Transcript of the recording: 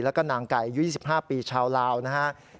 แล้วก็นางไก่อายุ๒๕ปีชาวลาวนะครับ